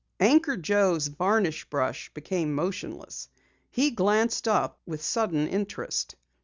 Anchor Joe's varnish brush became motionless. He glanced up with sudden interest.